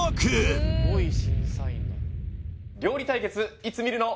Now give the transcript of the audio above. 料理対決いつ見るの？